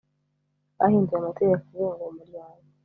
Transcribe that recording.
bahinduye amategeko agenga uwo muryango